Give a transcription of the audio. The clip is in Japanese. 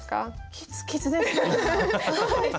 きつきつでした。